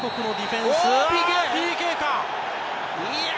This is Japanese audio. ＰＫか。